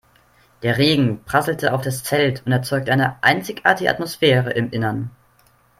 Der Regen prasselte auf das Zelt und erzeugte eine einzigartige Atmosphäre im Innern.